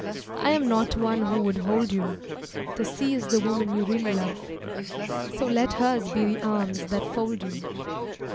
I am not one who would hold you; The sea is the woman you really love, So let hers be the arms that fold you.